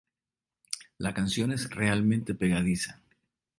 La canción es realmente pegadiza.